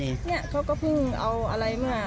เนี่ยเขาก็เพิ่งเอาอะไรมา